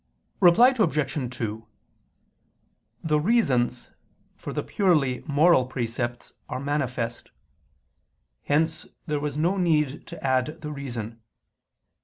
Reply Obj. 2: The reasons for the purely moral precepts are manifest; hence there was no need to add the reason.